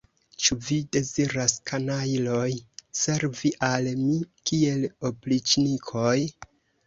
Ĉu vi deziras, kanajloj, servi al mi kiel opriĉnikoj?